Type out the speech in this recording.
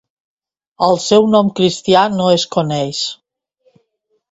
El seu nom cristià no es coneix.